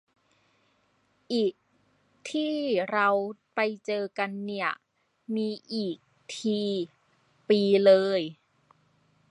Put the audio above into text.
อิ ที่เราไปเจอกันเนี่ย มีอีกที ปีเลย